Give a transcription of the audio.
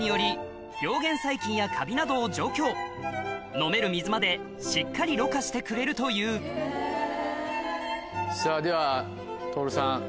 飲める水までしっかりろ過してくれるというさぁでは。